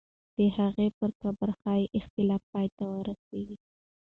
د هغې پر قبر ښایي اختلاف پای ته ورسېږي.